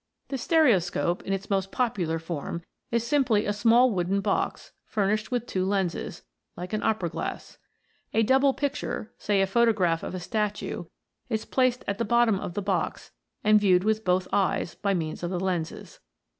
The stereoscope, in its most popular form, is sim ply a small wooden box, furnished with two lenses, TWO EYES ARE BETTER THAN ONE. 109 like an opera glass. A double picture, say a photo graph of a statue, is placed at the bottom of the box, and viewed with both eyes, by means of the lenses.